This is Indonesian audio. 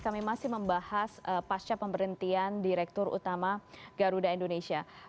kami masih membahas pasca pemberhentian direktur utama garuda indonesia